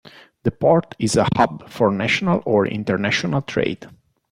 The port is a hub for national or international trade.